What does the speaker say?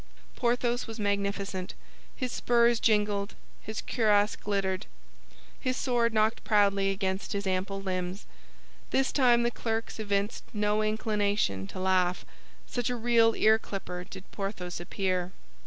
Porthos was magnificent; his spurs jingled, his cuirass glittered, his sword knocked proudly against his ample limbs. This time the clerks evinced no inclination to laugh, such a real ear clipper did Porthos appear.